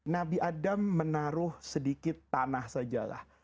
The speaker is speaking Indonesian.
nabi adam menaruh sedikit tanah sajalah